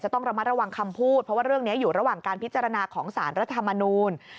ต้องระมัดระวังคำพูดเพราะว่าเรื่องนี้อยู่ระหว่างการพิจารณาของสารรัฐธรรมนูล